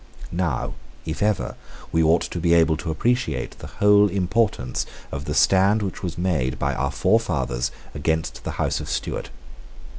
Now, if ever, we ought to be able to appreciate the whole importance of the stand which was made by our forefathers against the House of Stuart.